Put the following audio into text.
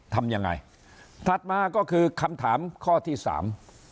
ทำยังไงถัดมาก็คือคำถามข้อที่สาม